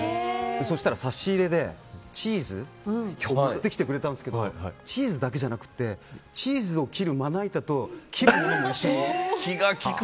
そしたら差し入れでチーズ持ってきてくれたんですけどチーズだけじゃなくてチーズを切るまな板と切るものも一緒に。